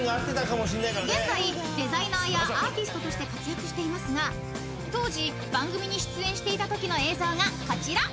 ［現在デザイナーやアーティストとして活躍していますが当時番組に出演していたときの映像がこちら］